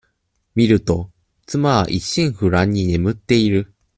みると、妻は一心不乱に眠っている。